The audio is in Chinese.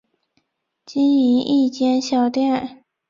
经营一间小店